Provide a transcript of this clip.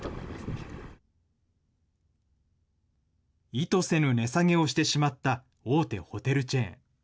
意図せぬ値下げをしてしまった大手ホテルチェーン。